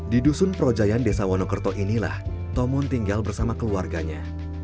di dusun projayan desa wonokerto inilah tomon tinggal bersama keluarganya